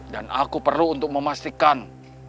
dan aku perlu untuk memastikan